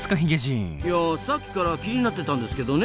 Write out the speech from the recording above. いやさっきから気になってたんですけどね